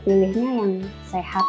pilihnya yang sehat